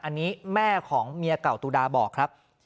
อันนี้แม่ของเมียเก่าตุดาบอกครับ